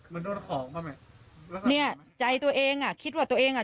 มันโดนของป่ะไหมเนี้ยใจตัวเองอ่ะคิดว่าตัวเองอ่ะ